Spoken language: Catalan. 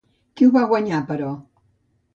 Qui ho va guanyar, però?